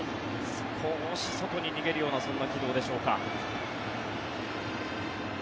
少し外に逃げるようなそんな軌道でしょうか。